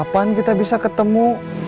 kapan kita bisa ketemu